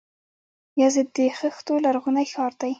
یزد د خښتو لرغونی ښار دی.